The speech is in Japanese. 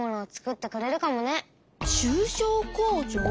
中小工場？